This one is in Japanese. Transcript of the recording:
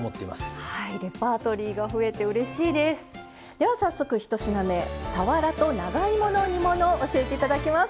では早速１品目さわらと長芋の煮物教えていただきます。